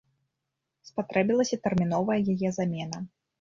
Спатрэбілася тэрміновая яе замена.